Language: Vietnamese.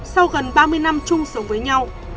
sau gần ba mươi năm chung sống với nhau